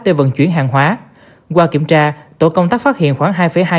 cần nghiêm chỉnh chấp hành